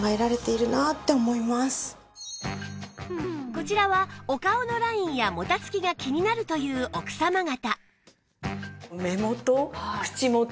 こちらはお顔のラインやもたつきが気になるという奥様方